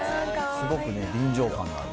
すごく臨場感がある。